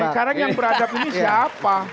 sekarang yang beradab ini siapa